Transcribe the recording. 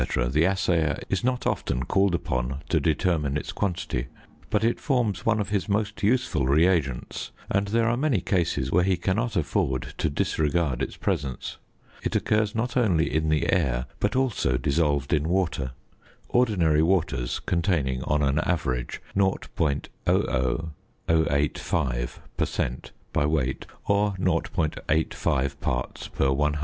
the assayer is not often called upon to determine its quantity, but it forms one of his most useful reagents, and there are many cases where he cannot afford to disregard its presence. It occurs not only in the air, but also dissolved in water; ordinary waters containing on an average 0.00085 per cent. by weight, or 0.85 parts per 100,000.